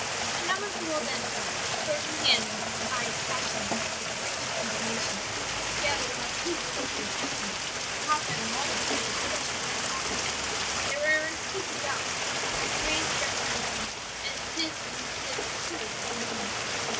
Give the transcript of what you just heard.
"A number of the Waldenses, sword in hand, and eyes flashing with righteous indignation, were gathered about two of the would be assassins, caught by them almost on the threshold of the cottage. "Their errand who could doubt? and Henri had recognized them as his and Lucia's pursuers of the morning.